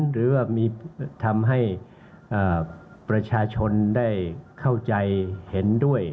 หรือว่ามีทำให้ประชาชนได้เข้าใจเห็นด้วย